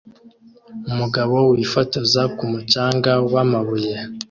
Umugabo wifotoza ku mucanga wamabuye